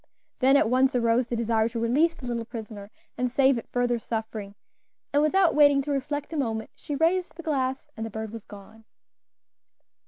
Then at once arose the desire to release the little prisoner and save it further suffering, and without waiting to reflect a moment she raised the glass, and the bird was gone.